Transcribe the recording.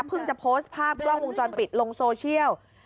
จะโพสต์ภาพกล้องวงจรปิดลงโซเชียล